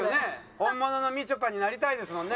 本物のみちょぱになりたいですもんね。